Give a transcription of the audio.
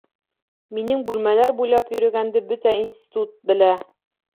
Минең бүлмәләр буйлап йөрөгәнде бөтә институт белә!